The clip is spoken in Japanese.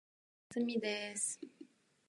おやすみです。